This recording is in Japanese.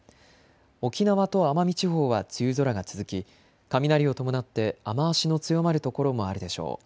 沖縄と奄美地方は梅雨空が続き雷を伴って雨足の強まる所もあるでしょう。